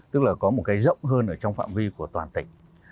tức là có một cái rộng hơn ở trong phạm vi của toàn tỉnh